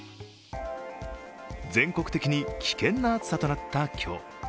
全国的に危険な暑さとなった今日。